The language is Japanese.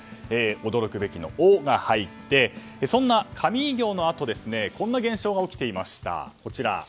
驚くべきの「オ」が入ってそんな神偉業のあとこんな現象が起きていました。